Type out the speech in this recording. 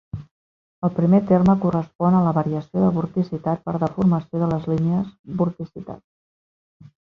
El primer terme correspon a la variació de vorticitat per deformació de les línies vorticitat.